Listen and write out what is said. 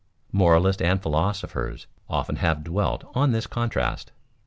Moralists and philosophers often have dwelt on this contrast.